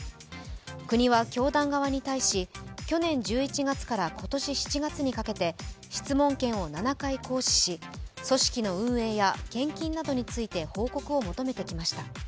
国は教団側に対し去年１１月から今年７月にかけて質問権を７回行使し、組織の運営や献金などについて報告を求めてきました。